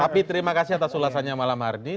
tapi terima kasih atas ulasannya malam hari ini